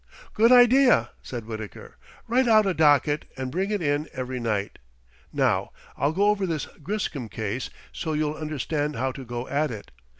"Good idea!" said Wittaker. "Write out a docket, and bring it in every night. Now, I'll go over this Griscom case, so you'll understand how to go at it.